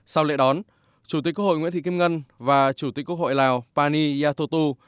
sau lễ đón chủ tịch quốc hội nguyễn thị kim ngân và chủ tịch quốc hội lào pani yathotu